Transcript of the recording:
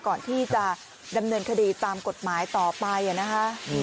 ก่อนที่จะดำเนินคดีตามกฎหมายต่อไปนะคะ